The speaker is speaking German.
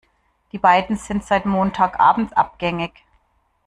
Die beiden sind seit Montag Abend abgängig.